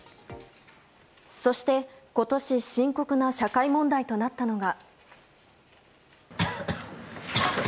そして、今年深刻な社会問題となったのが。